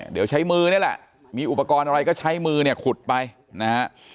เดี๋ยวใช้มือนี่แหละมีอุปกรณ์อะไรก็ใช้มือเนี่ยขุดไปนะฮะ